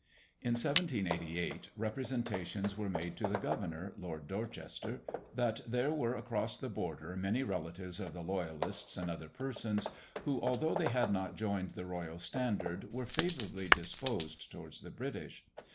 In 1788 representations were made to the governor, Lord Dorchester, that there were across the border many relatives of the Loyalists, and other persons, who, although they had not joined the royal standard, were favourably disposed towards the British.